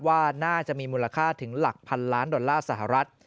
ว่าน่าจะมีมูลค่าถึงหลักพันล้านดอลลาร์สหรัฐ